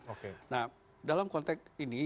oke nah dalam konteks ini